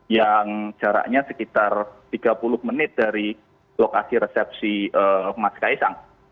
yang jaraknya sekitar tiga puluh menit dari lokasi resepsi mas kaisang